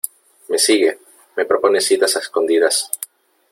me sigue , me propone citas a escondidas .